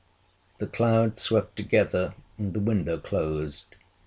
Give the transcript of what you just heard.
The clouds swept together, and the window closed.